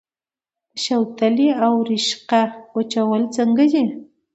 د شوتلې او رشقه وچول څنګه دي؟